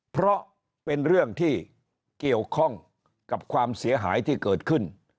เพราะเป็นเรื่องที่เกี่ยวข้องกับความเสียหายที่เกิดขึ้น